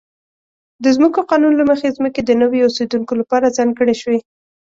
د ځمکو قانون له مخې ځمکې د نویو اوسېدونکو لپاره ځانګړې شوې.